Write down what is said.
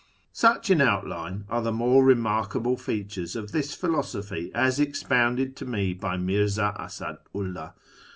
Such, in outline, are the more remarkable features of this philosophy as expounded to me by Mirza Asadu '11; ih.